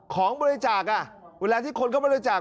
ของบริจาคเวลาที่คนเข้ามาบริจาค